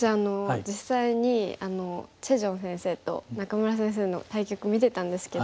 実際にチェ・ジョン先生と仲邑先生の対局見てたんですけど。